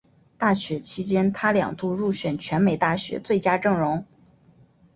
大学时期他两度入选全美大学最佳阵容。